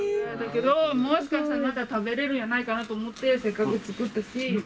もしかしたらまだ食べれるんやないかなと思ってせっかく作ったし。